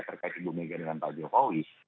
terkait ibu mega dengan pak jokowi